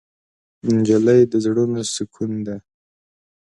نجلۍ د زړونو سکون ده.